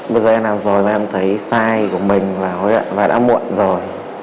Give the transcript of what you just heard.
bây giờ em làm rồi mà em thấy sai của mình và đã muộn rồi